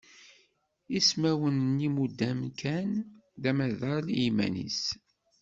Ismawen n yiwudam kan d amaḍal i yiman-is.